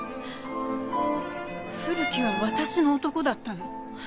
古木は私の男だったの。